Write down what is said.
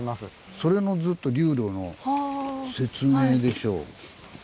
それのずっと流路の説明でしょう。